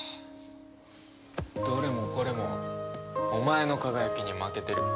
どれもこれもお前の輝きに負けてる。